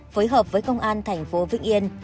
phối hợp với công an thành phố vĩnh yên